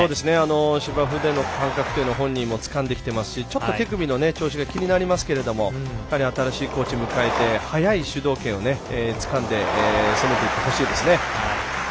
芝生での感覚というのも本人はつかんできていますし手首の調子が気になりますが新しいコーチを迎えて早い主導権をつかんで攻めていってほしいですね。